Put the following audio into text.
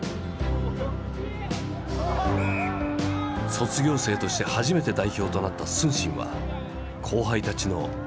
卒業生として初めて代表となった承信は後輩たちの憧れだ。